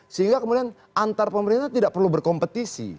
sehingga kemudian antar pemerintah tidak perlu berkompetisi